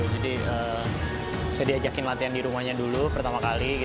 jadi saya di ajak latihan di rumahnya dulu pertama kali